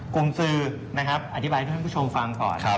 กลุ่มสื่ออธิบายให้ท่านพูดชมฟังขอ